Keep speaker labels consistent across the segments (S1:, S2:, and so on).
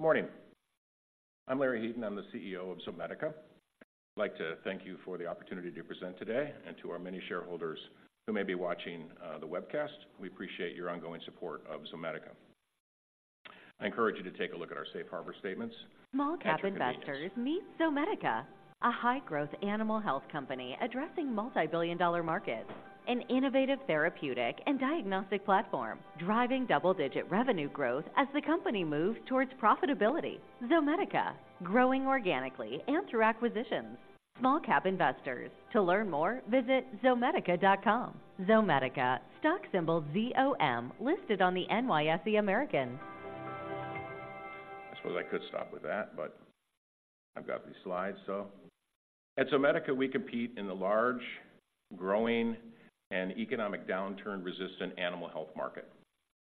S1: Good morning. I'm Larry Heaton, I'm the CEO of Zomedica. I'd like to thank you for the opportunity to present today, and to our many shareholders who may be watching the webcast. We appreciate your ongoing support of Zomedica. I encourage you to take a look at our safe harbor statements at your convenience.
S2: Small-cap investors, meet Zomedica, a high-growth animal health company addressing multibillion-dollar markets. An innovative therapeutic and diagnostic platform, driving double-digit revenue growth as the company moves towards profitability. Zomedica, growing organically and through acquisitions. Small-cap investors, to learn more, visit zomedica.com. Zomedica, stock symbol ZOM, listed on the NYSE American.
S1: I suppose I could stop with that, but I've got these slides, so... At Zomedica, we compete in the large, growing, and economic downturn-resistant animal health market.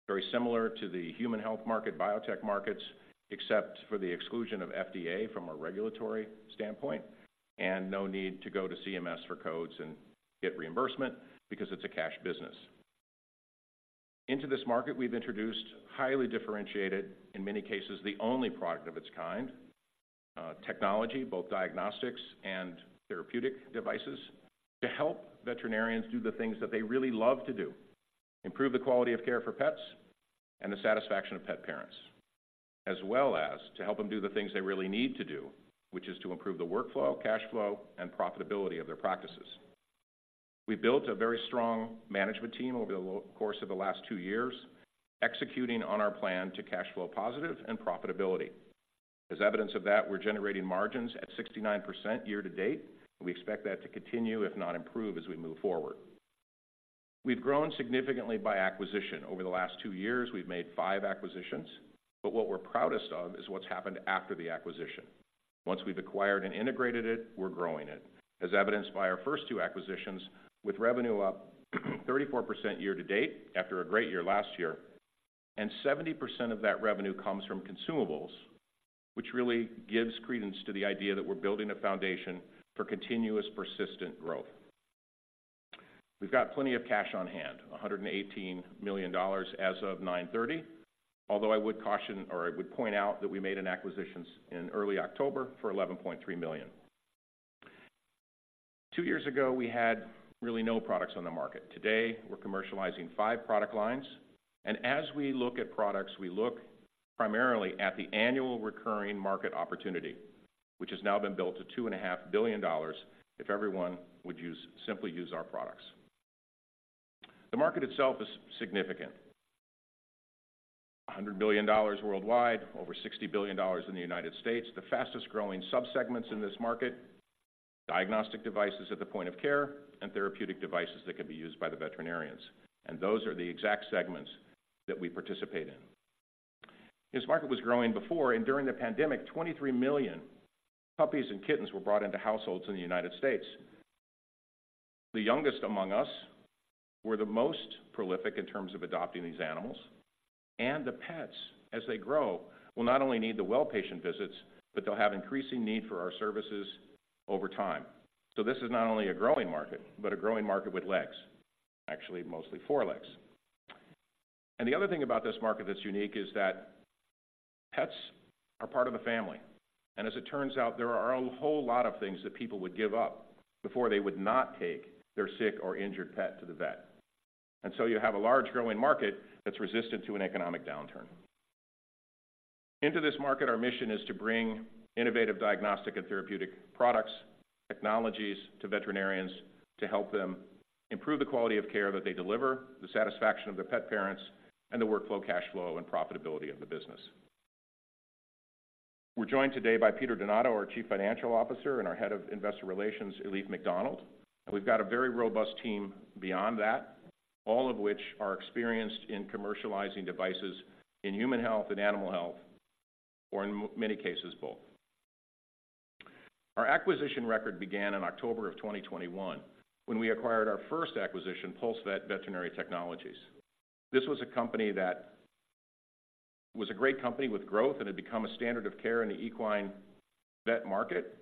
S1: Very similar to the human health market, biotech markets, except for the exclusion of FDA from a regulatory standpoint, and no need to go to CMS for codes and get reimbursement because it's a cash business. Into this market, we've introduced highly differentiated, in many cases, the only product of its kind, technology, both diagnostics and therapeutic devices, to help veterinarians do the things that they really love to do: improve the quality of care for pets and the satisfaction of pet parents. As well as to help them do the things they really need to do, which is to improve the workflow, cash flow, and profitability of their practices. We've built a very strong management team over the long course of the last two years, executing on our plan to cash flow positive and profitability. As evidence of that, we're generating margins at 69% year to date, and we expect that to continue, if not improve, as we move forward. We've grown significantly by acquisition. Over the last two years, we've made five acquisitions, but what we're proudest of is what's happened after the acquisition. Once we've acquired and integrated it, we're growing it, as evidenced by our first two acquisitions, with revenue up 34% year to date after a great year last year, and 70% of that revenue comes from consumables, which really gives credence to the idea that we're building a foundation for continuous, persistent growth. We've got plenty of cash on hand, $118 million as of September 30th, although I would caution, or I would point out, that we made an acquisition in early October for $11.3 million. Two years ago, we had really no products on the market. Today, we're commercializing five product lines, and as we look at products, we look primarily at the annual recurring market opportunity, which has now been built to $2.5 billion if everyone would simply use our products. The market itself is significant. $100 billion worldwide, over $60 billion in the United States. The fastest growing subsegments in this market, diagnostic devices at the point of care and therapeutic devices that can be used by the veterinarians, and those are the exact segments that we participate in. This market was growing before, and during the pandemic, 23 million puppies and kittens were brought into households in the United States. The youngest among us were the most prolific in terms of adopting these animals, and the pets, as they grow, will not only need the well-patient visits, but they'll have increasing need for our services over time. So this is not only a growing market, but a growing market with legs. Actually, mostly four legs. And the other thing about this market that's unique is that pets are part of the family, and as it turns out, there are a whole lot of things that people would give up before they would not take their sick or injured pet to the vet. And so you have a large growing market that's resistant to an economic downturn. Into this market, our mission is to bring innovative diagnostic and therapeutic products, technologies to veterinarians to help them improve the quality of care that they deliver, the satisfaction of their pet parents, and the workflow, cash flow, and profitability of the business. We're joined today by Peter Donato, our Chief Financial Officer, and our Head of Investor Relations, Elif McDonald. We've got a very robust team beyond that, all of which are experienced in commercializing devices in human health and animal health, or in many cases, both. Our acquisition record began in October of 2021, when we acquired our first acquisition, PulseVet Veterinary Technologies. This was a company that was a great company with growth and had become a standard of care in the equine vet market,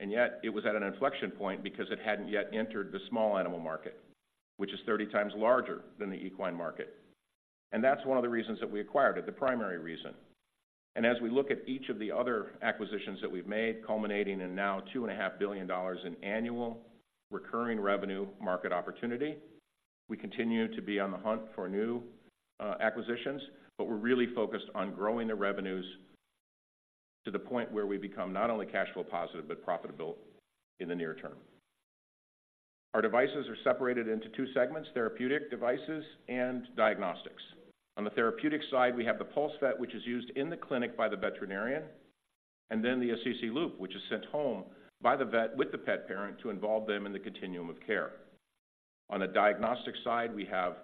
S1: and yet it was at an inflection point because it hadn't yet entered the small animal market, which is 30x larger than the equine market. That's one of the reasons that we acquired it, the primary reason. As we look at each of the other acquisitions that we've made, culminating in now $2.5 billion in annual recurring revenue market opportunity, we continue to be on the hunt for new, acquisitions, but we're really focused on growing the revenues to the point where we become not only cash flow positive, but profitable in the near term. Our devices are separated into two segments, therapeutic devices and diagnostics. On the therapeutic side, we have the PulseVet, which is used in the clinic by the veterinarian, and then the Assisi Loop, which is sent home by the vet with the pet parent to involve them in the continuum of care. On the diagnostic side, we have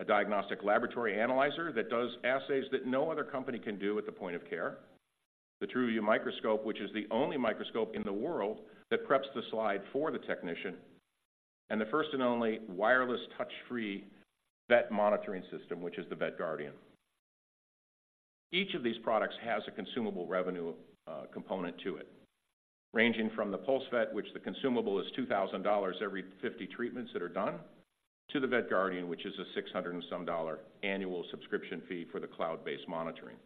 S1: a diagnostic laboratory analyzer that does assays that no other company can do at the point of care. The TRUVIEW microscope, which is the only microscope in the world that preps the slide for the technician, and the first and only wireless touch-free vet monitoring system, which is the VetGuardian. Each of these products has a consumable revenue component to it, ranging from the PulseVet, which the consumable is $2,000 every 50 treatments that are done, to the VetGuardian, which is a $600 and some dollar annual subscription fee for the cloud-based monitoring.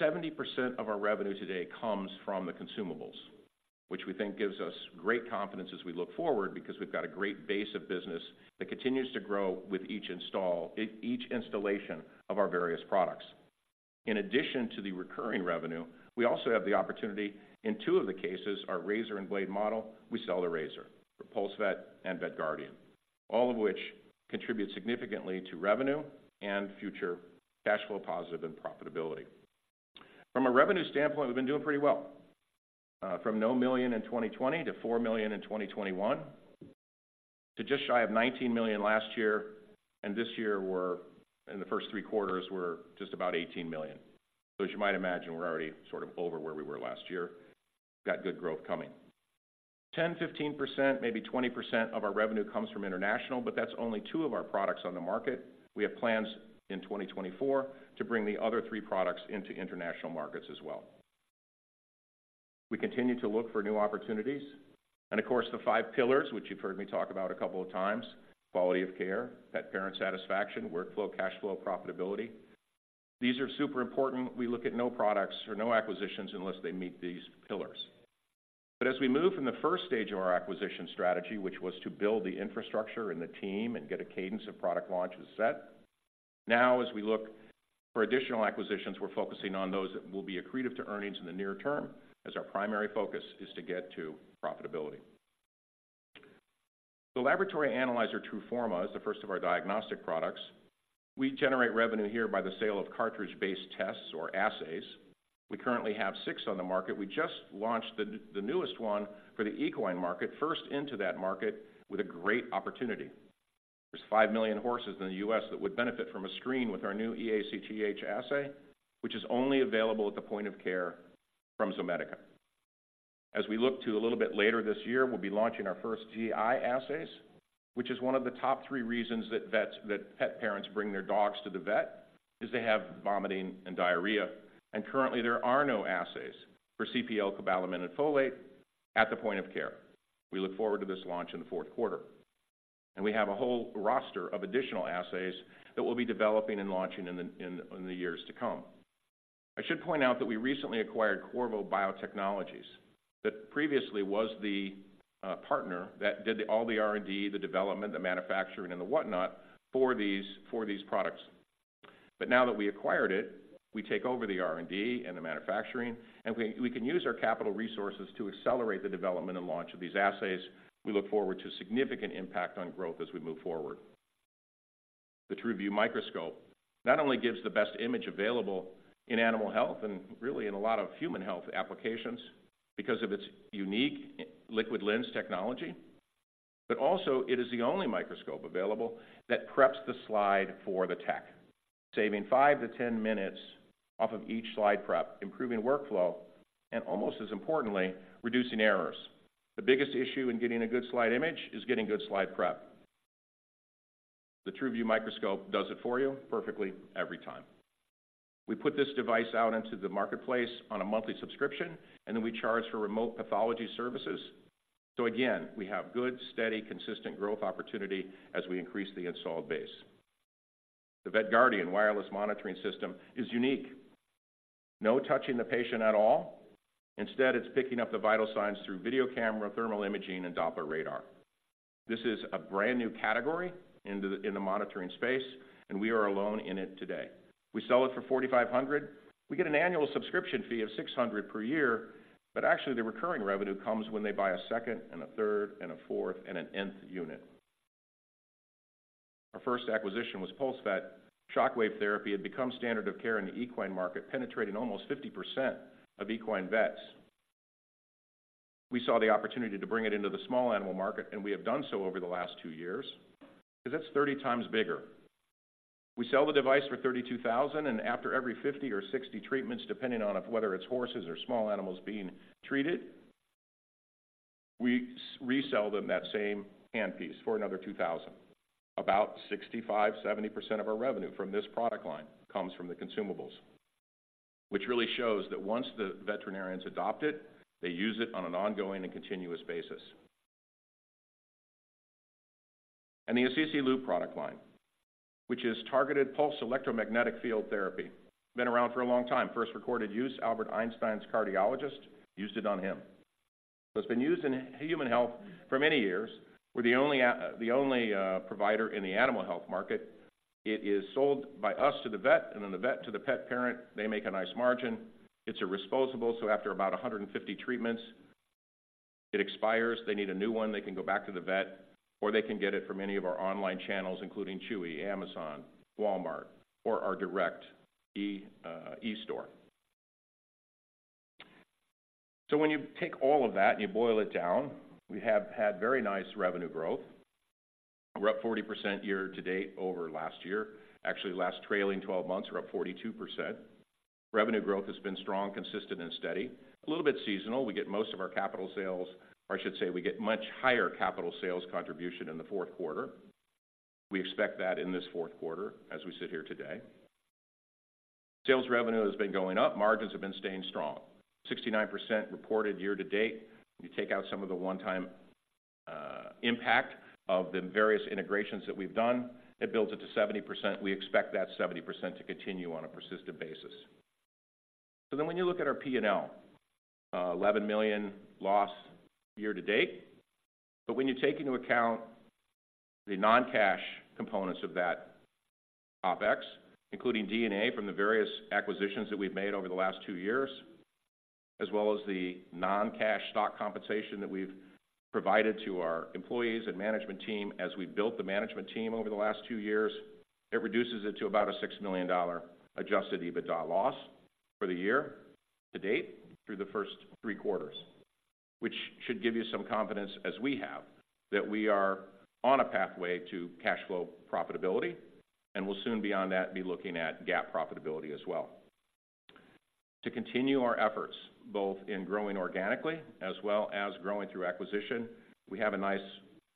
S1: 70% of our revenue today comes from the consumables, which we think gives us great confidence as we look forward, because we've got a great base of business that continues to grow with each installation of our various products. In addition to the recurring revenue, we also have the opportunity, in two of the cases, our razor and blade model, we sell the razor for PulseVet and VetGuardian, all of which contribute significantly to revenue and future cash flow positive and profitability. From a revenue standpoint, we've been doing pretty well. From $0 million in 2020 to $4 million in 2021, to just shy of $19 million last year, and this year we're, in the first three quarters, we're just about $18 million. So as you might imagine, we're already sort of over where we were last year. Got good growth coming. 10%-15%, maybe 20% of our revenue comes from international, but that's only two of our products on the market. We have plans in 2024 to bring the other three products into international markets as well. We continue to look for new opportunities, and of course, the five pillars, which you've heard me talk about a couple of times, quality of care, pet parent satisfaction, workflow, cash flow, profitability. These are super important. We look at no products or no acquisitions unless they meet these pillars. But as we move from the first stage of our acquisition strategy, which was to build the infrastructure and the team and get a cadence of product launches set, now as we look for additional acquisitions, we're focusing on those that will be accretive to earnings in the near term, as our primary focus is to get to profitability. The laboratory analyzer, TRUFORMA, is the first of our diagnostic products. We generate revenue here by the sale of cartridge-based tests or assays. We currently have six on the market. We just launched the newest one for the equine market, first into that market with a great opportunity. There's 5 million horses in the U.S. that would benefit from a screen with our new eACTH assay, which is only available at the point of care from Zomedica. As we look to a little bit later this year, we'll be launching our first GI assays, which is one of the top three reasons that vets that pet parents bring their dogs to the vet, is they have vomiting and diarrhea. Currently, there are no assays for CPL, cobalamin, and folate at the point of care. We look forward to this launch in the fourth quarter. And we have a whole roster of additional assays that we'll be developing and launching in the years to come. I should point out that we recently acquired Qorvo Biotechnologies, that previously was the partner that did all the R&D, the development, the manufacturing, and the whatnot, for these products. But now that we acquired it, we take over the R&D and the manufacturing, and we can use our capital resources to accelerate the development and launch of these assays. We look forward to significant impact on growth as we move forward. The TRUVIEW microscope not only gives the best image available in animal health and really in a lot of human health applications because of its unique liquid lens technology, but also it is the only microscope available that preps the slide for the tech, saving 5-10 minutes off of each slide prep, improving workflow, and almost as importantly, reducing errors. The biggest issue in getting a good slide image is getting good slide prep. The TRUVIEW microscope does it for you perfectly every time. We put this device out into the marketplace on a monthly subscription, and then we charge for remote pathology services. So again, we have good, steady, consistent growth opportunity as we increase the installed base. The VetGuardian wireless monitoring system is unique. No touching the patient at all. Instead, it's picking up the vital signs through video camera, thermal imaging, and Doppler radar. This is a brand-new category in the monitoring space, and we are alone in it today. We sell it for $4,500. We get an annual subscription fee of $600 per year, but actually the recurring revenue comes when they buy a second and a third, and a fourth, and an nth unit. Our first acquisition was PulseVet. Shock wave therapy had become standard of care in the equine market, penetrating almost 50% of equine vets. We saw the opportunity to bring it into the small animal market, and we have done so over the last two years, because that's 30 times bigger. We sell the device for $32,000, and after every 50 treatments or 60 treatments, depending on whether it's horses or small animals being treated, we resell them that same handpiece for another $2,000. About 65%-70% of our revenue from this product line comes from the consumables, which really shows that once the veterinarians adopt it, they use it on an ongoing and continuous basis. And the Assisi Loop product line, which is targeted pulse electromagnetic field therapy, been around for a long time. First recorded use, Albert Einstein's cardiologist used it on him. So it's been used in human health for many years. We're the only provider in the animal health market. It is sold by us to the vet, and then the vet to the pet parent. They make a nice margin. It's a disposable, so after about 150 treatments, it expires. They need a new one, they can go back to the vet, or they can get it from any of our online channels, including Chewy, Amazon, Walmart, or our direct e-store. So when you take all of that and you boil it down, we have had very nice revenue growth. We're up 40% year to date over last year. Actually, last trailing twelve months, we're up 42%. Revenue growth has been strong, consistent, and steady. A little bit seasonal. We get most of our capital sales, or I should say, we get much higher capital sales contribution in the fourth quarter. We expect that in this fourth quarter as we sit here today. Sales revenue has been going up, margins have been staying strong. 69% reported year-to-date, you take out some of the one-time, impact of the various integrations that we've done, it builds it to 70%. We expect that 70% to continue on a persistent basis. When you look at our P&L, $11 million loss year-to-date, but when you take into account the non-cash components of that OpEx, including D&A from the various acquisitions that we've made over the last two years, as well as the non-cash stock compensation that we've provided to our employees and management team as we built the management team over the last two years, it reduces it to about a $6 million adjusted EBITDA loss for the year to date through the first three quarters, which should give you some confidence, as we have, that we are on a pathway to cash flow profitability, and will soon beyond that, be looking at GAAP profitability as well. To continue our efforts, both in growing organically as well as growing through acquisition, we have a nice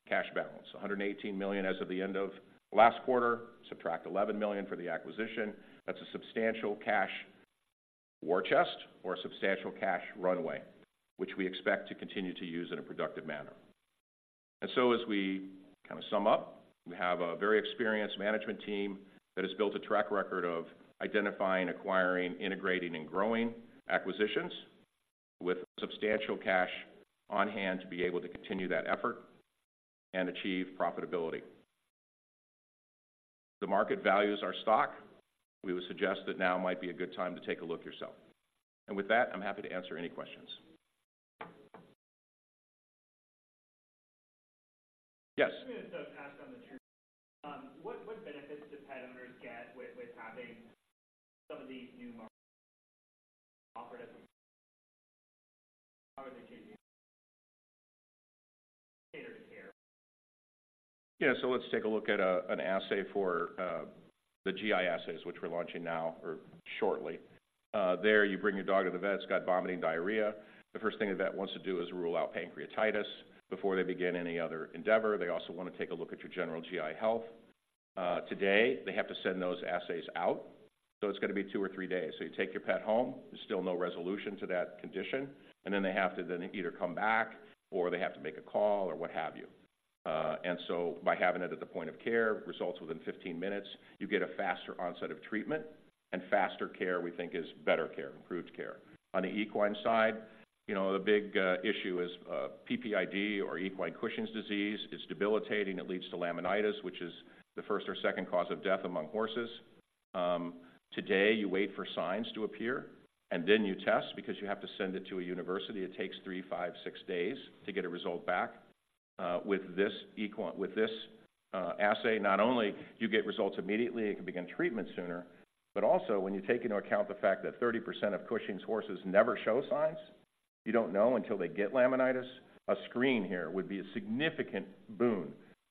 S1: cash balance, $118 million as of the end of last quarter. Subtract $11 million for the acquisition. That's a substantial cash war chest or a substantial cash runway, which we expect to continue to use in a productive manner. And so as we kinda sum up, we have a very experienced management team that has built a track record of identifying, acquiring, integrating, and growing acquisitions with substantial cash on hand to be able to continue that effort and achieve profitability. The market values our stock. We would suggest that now might be a good time to take a look yourself. And with that, I'm happy to answer any questions. Yes?
S3: So, a question on the, what benefits do pet owners get with having some of these new markets offered as? How are they changing cater to care?
S1: Yeah. So let's take a look at an assay for the GI assays, which we're launching now or shortly. There, you bring your dog to the vet, it's got vomiting, diarrhea. The first thing a vet wants to do is rule out pancreatitis before they begin any other endeavor. They also want to take a look at your general GI health. Today, they have to send those assays out, so it's gonna be two or three days. So you take your pet home, there's still no resolution to that condition, and then they have to then either come back or they have to make a call or what have you. And so by having it at the point of care, results within 15 minutes, you get a faster onset of treatment, and faster care, we think is better care, improved care. On the equine side, you know, the big issue is PPID or equine Cushing's disease. It's debilitating. It leads to laminitis, which is the first or second cause of death among horses. Today, you wait for signs to appear, and then you test, because you have to send it to a university. It takes three, five, six days to get a result back. With this assay, not only you get results immediately, it can begin treatment sooner, but also when you take into account the fact that 30% of Cushing's horses never show signs, you don't know until they get laminitis, a screen here would be a significant boon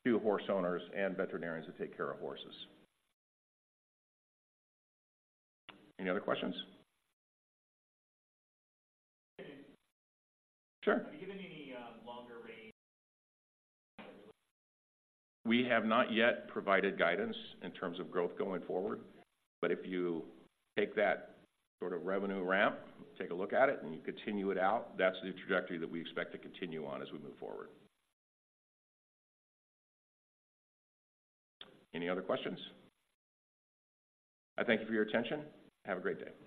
S1: to horse owners and veterinarians who take care of horses. Any other questions?
S3: Sure.
S1: Sure.
S3: Have you given any longer range?
S1: We have not yet provided guidance in terms of growth going forward, but if you take that sort of revenue ramp, take a look at it, and you continue it out, that's the trajectory that we expect to continue on as we move forward. Any other questions? I thank you for your attention. Have a great day.